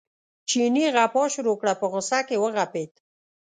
چیني غپا شروع کړه په غوسه کې وغپېد.